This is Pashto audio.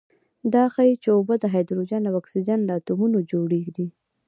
دا ښيي چې اوبه د هایدروجن او اکسیجن له اتومونو جوړې دي.